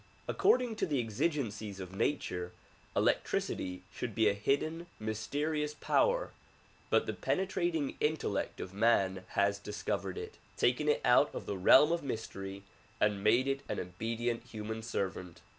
According to the exigencies of nature, electricity should be a hidden, mysterious power but the penetrating intel lect of man has discovered it, taken it out of the realm of mystery and made it an obedient human servant.